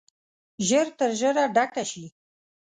ژر تر ژره ډکه شي.